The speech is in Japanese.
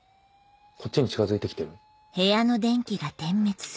こっちに近づいて来てる。